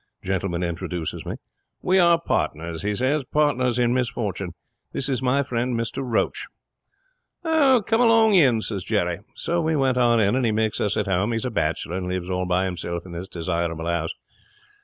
Gentleman introduces me. "We are partners," he says, "partners in misfortune. This is my friend, Mr Roach." '"Come along in," says Jerry. 'So we went in, and he makes us at home. He's a bachelor, and lives all by himself in this desirable 'ouse.